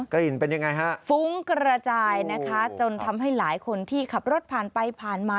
กลิ่นเป็นยังไงฮะฟุ้งกระจายนะคะจนทำให้หลายคนที่ขับรถผ่านไปผ่านมา